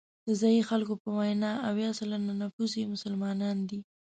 د ځایي خلکو په وینا اویا سلنه نفوس یې مسلمانان دي.